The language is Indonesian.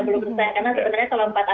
karena sebenarnya kalau